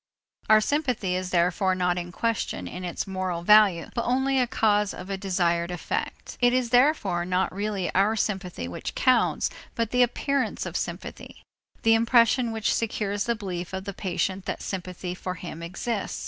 Our sympathy is therefore not in question in its moral value but only as a cause of a desired effect. It is therefore not really our sympathy which counts but the appearance of sympathy, the impression which secures the belief of the patient that sympathy for him exists.